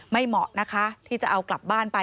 เหมาะนะคะที่จะเอากลับบ้านไป